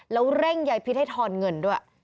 แล้วเร่งยายพิษให้ทอนเงินด้วย